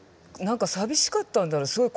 なんか寂しかったんだろう